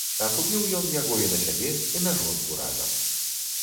А купіў ён яго і на сябе і на жонку разам.